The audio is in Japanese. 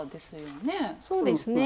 そうですね。